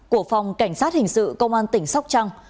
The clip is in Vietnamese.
của phòng cảnh sát hình sự công an tỉnh sóc trăng